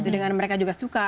dengan mereka juga suka